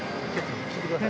聞いてください。